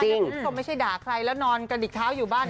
เขาไม่ใช่ด่าใครแล้วนอนกันอีกเท้าอยู่บ้าน